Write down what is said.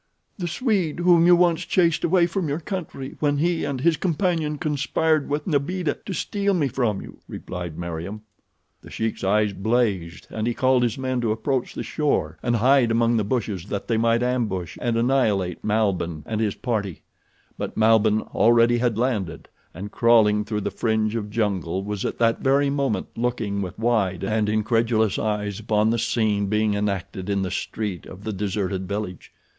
"The Swede whom you once chased away from your country when he and his companion conspired with Nbeeda to steal me from you," replied Meriem. The Sheik's eyes blazed, and he called his men to approach the shore and hide among the bushes that they might ambush and annihilate Malbihn and his party; but Malbihn already had landed and crawling through the fringe of jungle was at that very moment looking with wide and incredulous eyes upon the scene being enacted in the street of the deserted village.